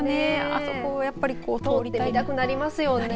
あそこをやっぱり通ってみたくなりますよね。